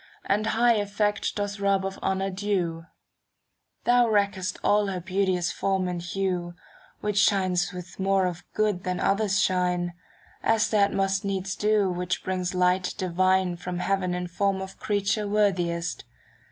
35 And high effect dost rob of honour due ; Thou wreckest all her beauteous form and hue. Which shines with more of good than others shine. As that must needs do which brings light divine From heaven in form of creature worthiest.